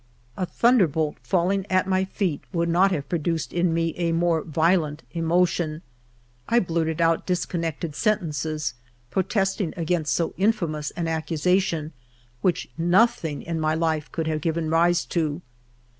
A thunderbolt falling at my feet would not have produced in me a more violent emotion ; I blurted out discon nected sentences, protesting against so infamous an accusation, which nothing in my life could have given rise to.